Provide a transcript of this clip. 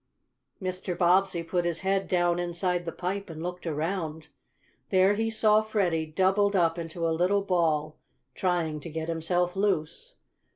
Mr. Bobbsey put his head down inside the pipe and looked around. There he saw Freddie, doubled up into a little ball, trying to get himself loose.